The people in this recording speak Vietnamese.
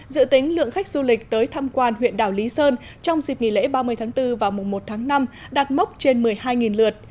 dự tính lượng khách du lịch tới thăm quan huyện đảo lý sơn trong dịp nghỉ lễ ba mươi tháng bốn và mùa một tháng năm đạt mốc trên một mươi hai lượt